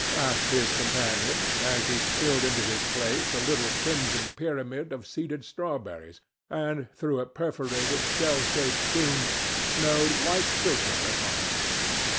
asked his companion as he spilled into his plate a little crimson pyramid of seeded strawberries and, through a perforated, shell shaped spoon, snowed white sugar upon them.